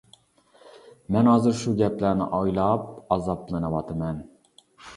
مەن ھازىر شۇ گەپلەرنى ئويلاپ ئازابلىنىۋاتىمەن.